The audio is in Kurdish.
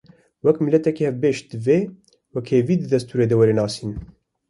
Wek miletekî hevbeş, divê wekhevî di destûrê de were nasîn